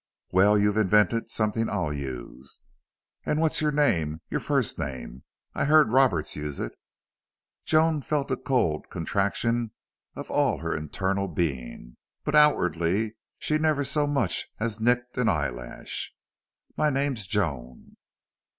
"Well, you've invented something I'll use.... And what's your name your first name? I heard Roberts use it." Joan felt a cold contraction of all her internal being, but outwardly she never so much as nicked an eyelash. "My name's Joan."